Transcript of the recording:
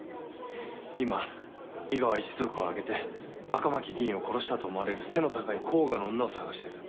今伊賀は一族を挙げて赤巻議員を殺したと思われる背の高い甲賀の女を捜してる。